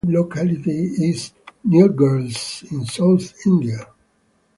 The type locality is Nilgiris in South India.